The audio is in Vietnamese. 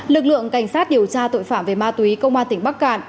lực lượng cảnh sát điều tra tội phạm về ma túy công an tỉnh bắc cạn